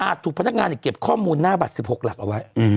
อาจถูกพนักงานเนี่ยเก็บข้อมูลหน้าบัตรสิบหกหลักเอาไว้อือ